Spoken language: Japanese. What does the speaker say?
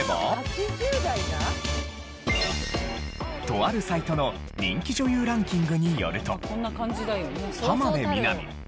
とあるサイトの人気女優ランキングによると浜辺美波新垣